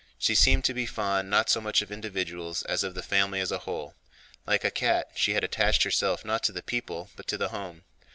She seemed to be fond not so much of individuals as of the family as a whole. Like a cat, she had attached herself not to the people but to the home.